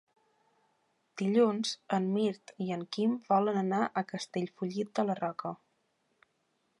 Dilluns en Mirt i en Quim volen anar a Castellfollit de la Roca.